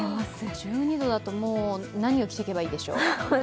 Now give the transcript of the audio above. １２度だと、もう何を着ていけばいいでしょうか。